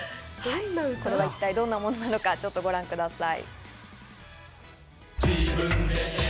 これが一体どんなものなのか、ちょっとご覧ください。